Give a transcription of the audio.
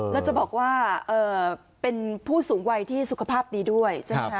แล้วจะบอกว่าเป็นผู้สูงวัยที่สุขภาพดีด้วยใช่ไหมคะ